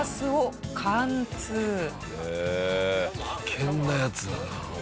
危険なやつだな。